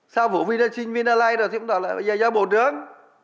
sau vụ vinaxin vinalight rồi thì cũng tạo ra bây giờ do bộ trưởng